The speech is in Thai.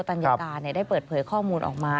ตัญญาการได้เปิดเผยข้อมูลออกมา